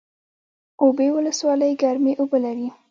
اوبې ولسوالۍ ګرمې اوبه لري؟